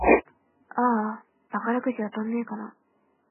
あーあ、宝くじ当たんねぇかな